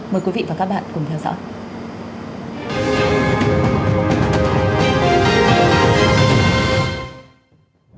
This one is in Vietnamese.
mời quý vị và các bạn cùng theo dõi